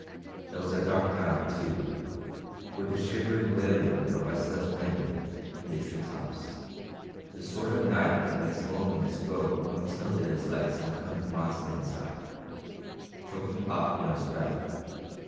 It was a dark night, too, with the shivering wailing of a restless wind in the tree tops; the sort of night that makes loneliness grow until it is like some kind of a monster inside, choking off one's breath.